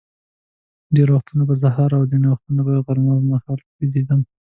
ډېر وختونه به سهار او ځینې وختونه به غرمه مهال بېدېدم.